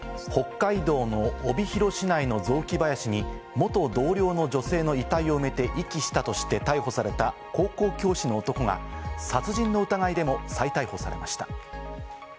北海道の帯広市内の雑木林に元同僚の女性の遺体を埋めて遺棄したとして逮捕された高校教師の男が殺人の疑いでも再逮捕されました。